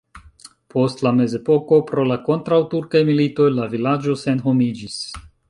Post la mezepoko pro la kontraŭturkaj militoj la vilaĝo senhomiĝis.